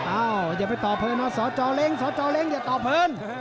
เอ้าอย่าไปต่อเพลินเซาโจวเล็งเซาโจวเล็งอย่าต่อเพลิน